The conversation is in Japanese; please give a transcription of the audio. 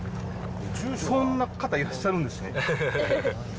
そんな方いらっしゃるんですね？